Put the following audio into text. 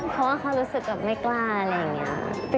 เพราะว่าเขารู้สึกแบบไม่กล้าอะไรอย่างนี้